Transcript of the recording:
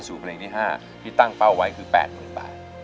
เพลงที่๕ที่ตั้งเป้าไว้คือ๘๐๐๐บาท